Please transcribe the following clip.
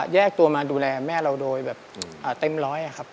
แยกตัวมาดูแลแม่เราโดยแบบเต็มร้อยครับ